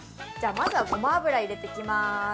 まずはごま油を入れていきます。